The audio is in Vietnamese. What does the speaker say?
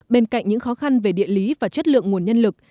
bên cạnh những khó khăn về địa lý và chất lượng nguồn nhân lực